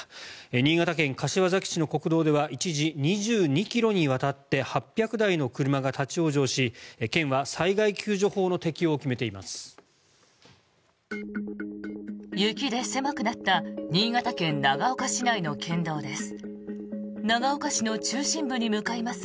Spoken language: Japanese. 新潟県柏崎市の国道では一時２２ｋｍにわたって８００台の車が立ち往生し県は災害救助法の適用を決めています。